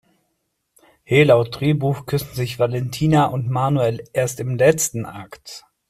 He, laut Drehbuch küssen sich Valentina und Manuel erst im letzten Akt!